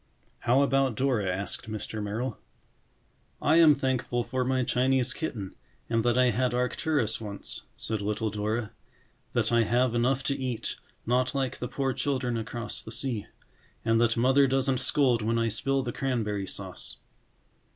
"How about Dora?" asked Mr. Merrill. "I am thankful for my Chinese kitten and that I had Arcturus once," said little Dora. "That I have enough to eat, not like the poor children across the sea. And that Mother doesn't scold when I spill the cranberry sauce."